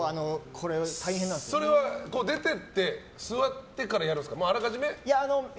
それは、出てって座ってからやるんですか？